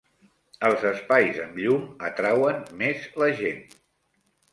Els espais amb llum atrauen més la gent.